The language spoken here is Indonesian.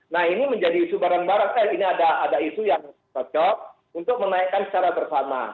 nah ini menjadi isu bareng bareng eh ini ada isu yang cocok untuk menaikkan secara bersama